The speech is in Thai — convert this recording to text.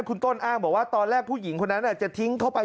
คุณต้นอ้างบอกว่าตอนแรกผู้หญิงคนนั้นจะทิ้งเข้าไป